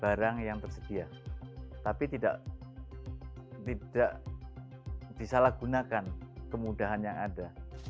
barang yang tersedia tapi tidak tidak disalahgunakan kemudahan yang ada